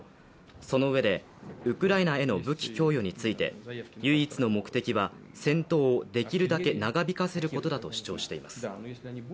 そのうえでウクライナへの武器供与について唯一の目的は戦闘をできるだけ長引かせることだと主張しています。